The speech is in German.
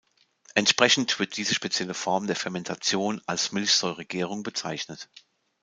Entsprechend wird diese spezielle Form der Fermentation als Milchsäuregärung bezeichnet.